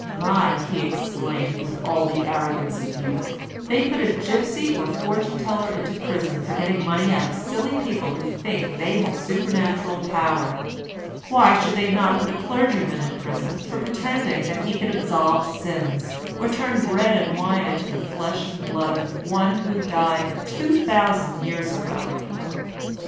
"My," he exclaimed, with all the arrogance of youth, "they put a gipsy or fortune teller into prison for getting money out of silly people who think they have supernatural power; why should they not put a clergyman in prison for pretending that he can absolve sins, or turn bread and wine into the flesh and blood of One who died two thousand years ago?